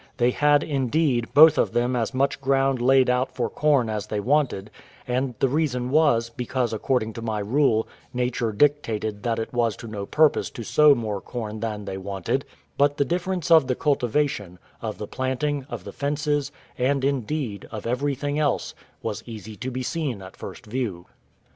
They had, indeed, both of them as much ground laid out for corn as they wanted, and the reason was, because, according to my rule, nature dictated that it was to no purpose to sow more corn than they wanted; but the difference of the cultivation, of the planting, of the fences, and indeed, of everything else, was easy to be seen at first view.